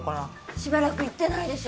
しばらく行ってないでしょ。